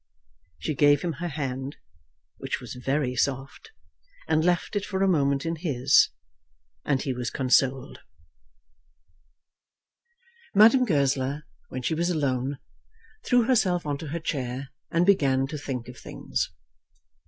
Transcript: She gave him her hand, which was very soft, and left it for a moment in his, and he was consoled. Madame Goesler, when she was alone, threw herself on to her chair and began to think of things.